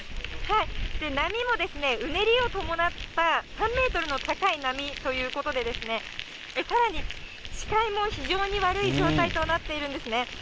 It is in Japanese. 波もうねりを伴った３メートルの高い波ということで、さらに視界も非常に悪い状態となっているんですね。